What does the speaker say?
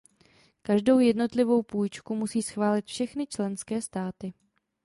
Každou jednotlivou půjčku musí schválit všechny členské státy.